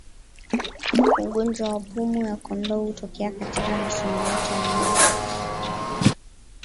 Ugonjwa wa pumu ya kondoo hutokea katika misimu yote ya mwaka